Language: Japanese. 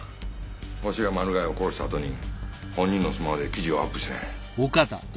ホシがマルガイを殺したあとに本人のスマホで記事をアップしたんや。